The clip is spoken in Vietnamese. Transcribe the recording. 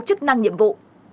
chức năng nhiệm vụ